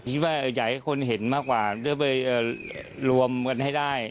อยากให้คนเห็นมากกว่าก็เรียกโดยไปโลมกันให้ได้